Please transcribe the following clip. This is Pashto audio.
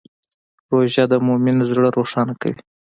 روژه د مؤمن زړه روښانه کوي.